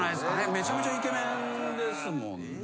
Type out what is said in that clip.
めちゃめちゃイケメンですもんね。